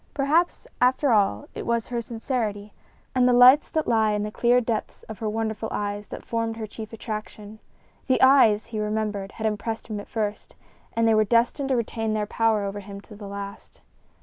Perhaps, after all, it was her sincerity and the lights that lay in the clear depths of her wonderful eyes that formed her chief attraction. The eyes, he remembered, had impressed him at first, and they were destined to retain their power over him to the last.